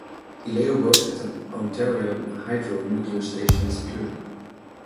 He later worked at an Ontario Hydro nuclear station in security.